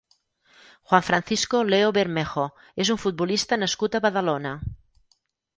Juan Francisco Leo Bermejo és un futbolista nascut a Badalona.